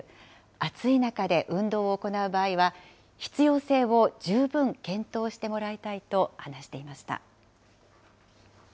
暑い中で運動を行う場合は、必要性を十分検討してもらいたいと話していました。